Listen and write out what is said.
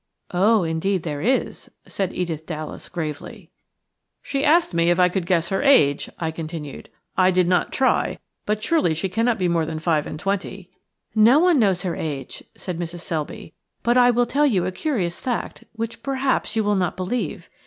"Oh, indeed there is," said Edith Dallas, gravely. "She asked me if I could guess her age," I continued. "I did not try, but surely she cannot be more than five and twenty." "No one knows her age," said Mrs. Selby, "but I will tell you a curious fact, which, perhaps, you will not believe.